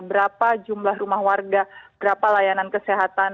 berapa jumlah rumah warga berapa layanan kesehatan